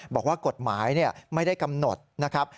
บอกว่ากฎหมายไม่ได้กำหนดนะครับ